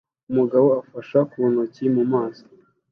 Umugabo afashe ku ntoki mu mazi